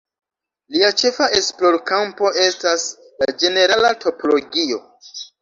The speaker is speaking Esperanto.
Lia ĉefa esplorkampo estas la ĝenerala topologio.